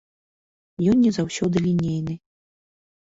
Ён не заўсёды лінейны.